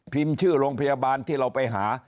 ชื่อโรงพยาบาลที่เราไปหา